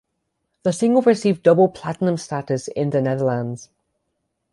The single received double platinum status in the Netherlands.